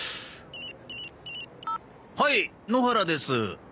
はい野原です。